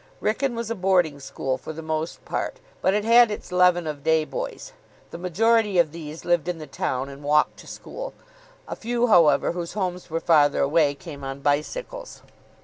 Wrykyn was a boarding school for the most part, but it had its leaven of day boys. The majority of these lived in the town, and walked to school. A few, however, whose homes were farther away, came on bicycles.